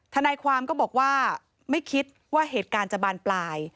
ทนายความก็บอกว่าไม่คิดว่าเหตุการณ์จะบานปลาย